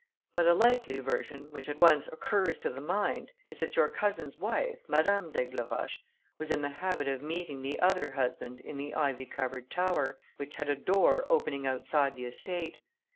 But a likely version, which at once occurs to the mind, is that your cousin's wife, Madame d'Aigleroche, was in the habit of meeting the other husband in the ivy covered tower, which had a door opening outside the estate.